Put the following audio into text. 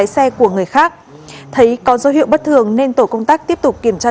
tăng cường công tác kiểm tra